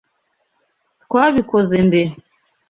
Twabikoze mbere.